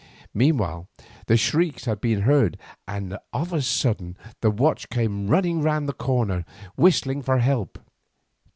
Meanwhile the shrieks had been heard, and of a sudden the watch came running round the corner whistling for help.